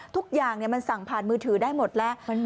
ทุกอย่างมันสั่งผ่านมือถือได้หมดแล้ว